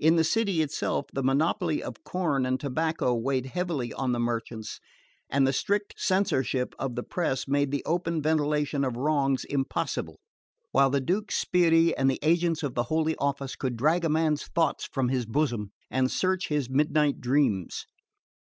In the city itself, the monopoly of corn and tobacco weighed heavily on the merchants, and the strict censorship of the press made the open ventilation of wrongs impossible, while the Duke's sbirri and the agents of the Holy Office could drag a man's thoughts from his bosom and search his midnight dreams.